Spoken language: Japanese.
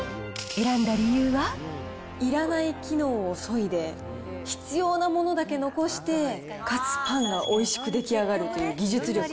いらない機能をそいで、必要なものだけ残してかつパンがおいしく出来上がるという技術力。